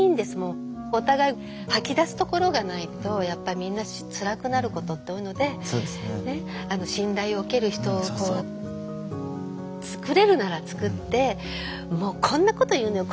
お互い吐き出すところがないとやっぱりみんなつらくなることって多いので信頼を置ける人をつくれるならつくって「もうこんなこと言うのよ